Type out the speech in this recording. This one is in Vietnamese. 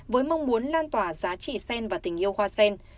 với mong muốn lan tỏa giá trị sen và tình yêu hoa sen